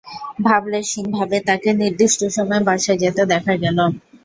ভাবলেশহীনভাবে তাঁকে নির্দিষ্ট সময়ে বাসায় যেতে দেখা গেল।